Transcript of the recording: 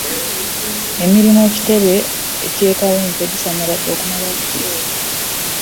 Emirimu ku kitebe ky'e Kawempe gisannyaladde okumala akaseera.